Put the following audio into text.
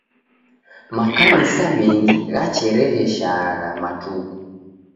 Makanisa mengi ghachereshaghaagha matuku.